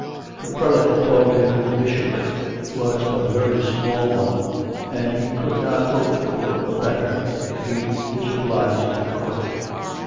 The prelate told him the bishopric was but a very small one, and he could not hope for a better if he disobliged the court.